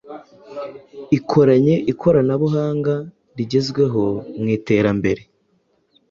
ikoranye ikoranabuhanga rigezweho mwiterambere